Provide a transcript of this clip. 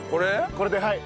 これではい。